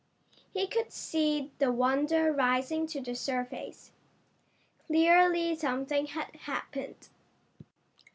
He could see the Wonder rising to the surface. Clearly something had happened.